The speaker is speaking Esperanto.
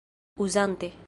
uzante